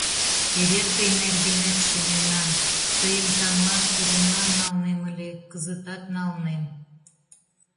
Эре тый нергенет шоненам... тыйым таҥлан курымлан налнем ыле, кызытат налнем....